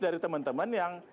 dari teman teman yang